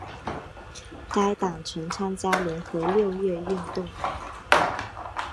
该党曾参加联合六月运动。